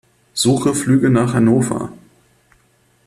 Suche Flüge nach Hannover.